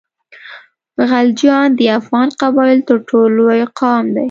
غلجیان د افغان قبایلو تر ټولو لوی قام دی.